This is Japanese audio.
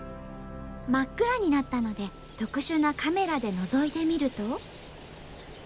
真っ暗になったので特殊なカメラでのぞいてみると。